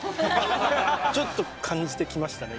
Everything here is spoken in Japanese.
ちょっと感じてきましたね